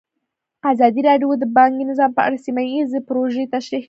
ازادي راډیو د بانکي نظام په اړه سیمه ییزې پروژې تشریح کړې.